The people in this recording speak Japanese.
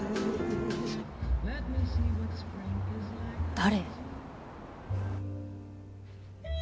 誰？